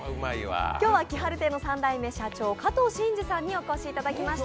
今日は気晴亭の三代目社長加藤慎二さんにお越しいただきました。